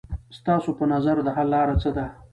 ستاسو په نظر د حل لاره څه ده؟